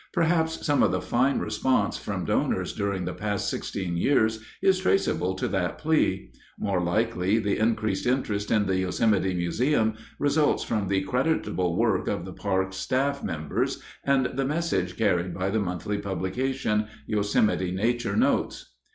Perhaps some of the fine response from donors during the past sixteen years is traceable to that plea; more likely, the increased interest in the Yosemite Museum results from the creditable work of the park's staff members and the message carried by the monthly publication, Yosemite Nature Notes.